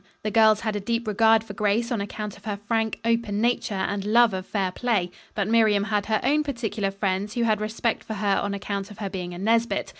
The girls had a deep regard for Grace on account of her frank, open nature and love of fair play; but Miriam had her own particular friends who had respect for her on account of her being a Nesbit.